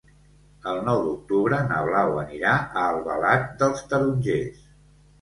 El nou d'octubre na Blau anirà a Albalat dels Tarongers.